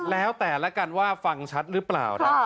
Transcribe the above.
แล้วแต่ละกันว่าฟังชัดหรือเปล่านะ